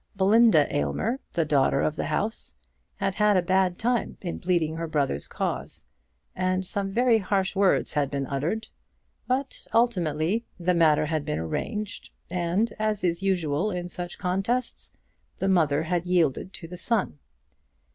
Belinda Aylmer, the daughter of the house, had had a bad time in pleading her brother's cause, and some very harsh words had been uttered; but ultimately the matter had been arranged, and, as is usual in such contests, the mother had yielded to the son.